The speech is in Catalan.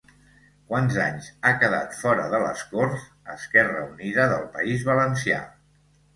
Quants anys ha quedat fora de les corts Esquerra Unida del País Valencià?